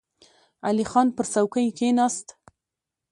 علی خان پر څوکۍ کېناست.